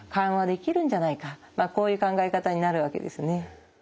まあこういう考え方になるわけですね。